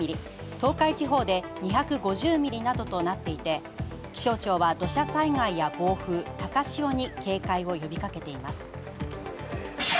東海地方で２５０ミリなどとなっていて気象庁は土砂災害や暴風高潮に警戒を呼びかけています。